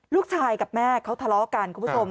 ลูกชายกับแม่เขาทะเลาะกันคุณผู้ชม